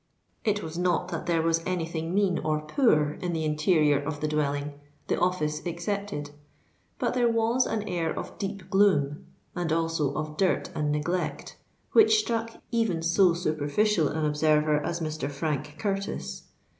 It was not that there was any thing mean or poor in the interior of the dwelling, the office excepted: but there was an air of deep gloom, and also of dirt and neglect, which struck even so superficial an observer as Mr. Frank Curtis.